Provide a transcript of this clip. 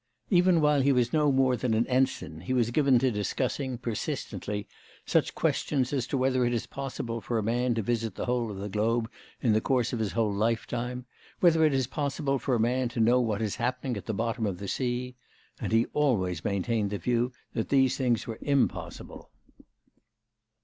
Even while he was no more than an ensign, he was given to discussing, persistently, such questions as whether it is possible for a man to visit the whole of the globe in the course of his whole lifetime, whether it is possible for a man to know what is happening at the bottom of the sea; and he always maintained the view that these things were impossible.